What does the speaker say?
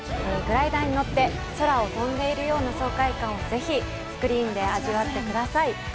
グライダーに乗って、空を飛んでいるような爽快感をぜひスクリーンで味わってください！